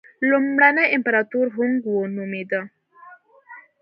لومړنی امپراتور هونګ وو نومېده.